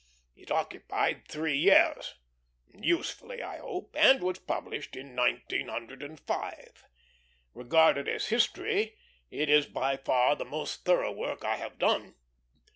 It occupied three years usefully, I hope and was published in 1905. Regarded as history, it is by far the most thorough work I have done.